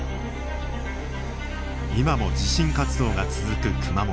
今も地震活動が続く熊本。